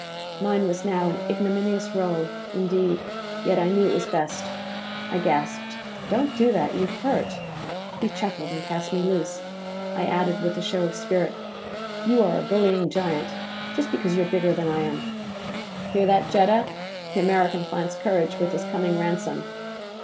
Mine was now an ignominious role, indeed, yet I knew it was best. I gasped. "Don't do that: you hurt!" He chuckled and cast me loose. I added, with a show of spirit, "You are a bullying giant. Just because you are bigger than I am " "Hear that, Jetta? The American finds courage with his coming ransom!"